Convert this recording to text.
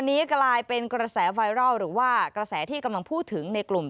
นี้กลายเป็นกระแสไวรัลหรือว่ากระแสที่กำลังพูดถึงในกลุ่ม